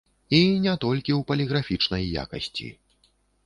І не толькі ў паліграфічнай якасці.